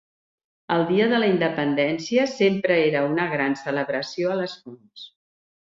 El Dia de la Independència sempre era una gran celebració a les fonts.